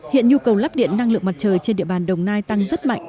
hiện nhu cầu lắp điện năng lượng mặt trời trên địa bàn đồng nai tăng rất mạnh